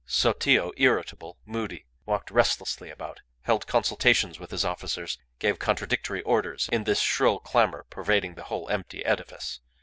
Sotillo, irritable, moody, walked restlessly about, held consultations with his officers, gave contradictory orders in this shrill clamour pervading the whole empty edifice.